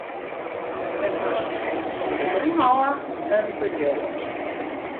Men moast fan de grûn ôf in bedriuw opsette.